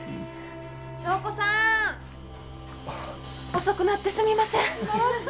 ・祥子さん！遅くなってすみません。